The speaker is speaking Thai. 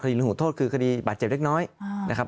หูโทษคือคดีบาดเจ็บเล็กน้อยนะครับ